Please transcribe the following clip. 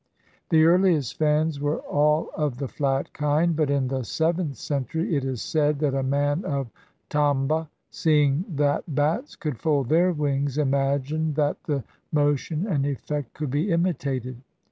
The earHest fans were all of the flat kind, but in the seventh century it is said that a man of Tamba, seeing that bats could fold their wings, imagined that the mo tion and effect could be imitated.